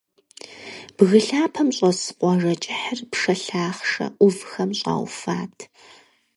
Бгы лъапэм щӀэс къуажэ кӀыхьыр пшэ лъахъшэ Ӏувхэм щӀауфат.